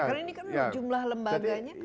karena ini kan jumlah lembaganya banyak sekali